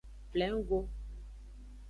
Plengo.